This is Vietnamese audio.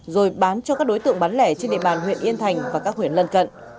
rồi bán cho các đối tượng bán lẻ trên địa bàn huyện yên thành và các huyện lân cận